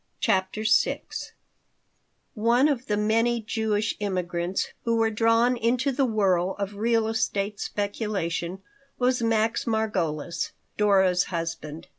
CHAPTER VI ONE of the many Jewish immigrants who were drawn into the whirl of real estate speculation was Max Margolis, Dora's husband.